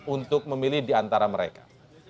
untuk memilih di antara mereka